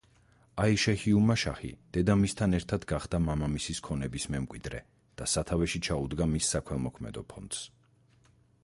აიშე ჰიუმაშაჰი, დედამისთან ერთად გახდა მამამისის ქონების მემკვიდრე და სათავეში ჩაუდგა მის საქველმოქმედო ფონდს.